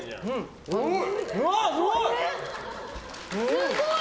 すごい！